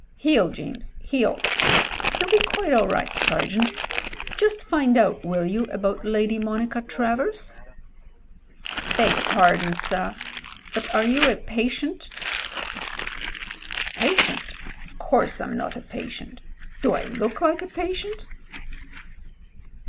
"Heel, James, heel. He'll be quite all right. Ser geant. Just find out, will you, about Lady Monica Travers ?" "Beg pardon, sir, but are you a patient?" "Patient— of course Fm not a patient. Do I look like a patient?"